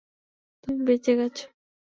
তুমি বেঁচে গেছ।